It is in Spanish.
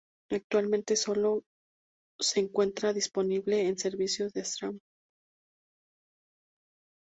Actualmente sólo se encuentra disponible en servicios de streaming.